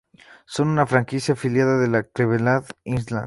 Son una franquicia afiliada de Los Cleveland Indians.